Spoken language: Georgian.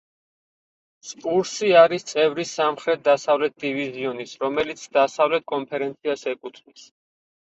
სპურსი არის წევრი სამხრეთ-დასავლეთ დივიზიონის, რომელიც დასავლეთ კონფერენციას ეკუთვნის.